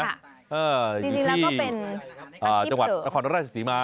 จริงแล้วก็เป็นตังค์ทิศเตอร์อยู่ที่จังหวัดนครร่าชสีมา